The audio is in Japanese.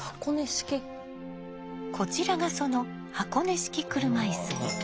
こちらがその箱根式車椅子。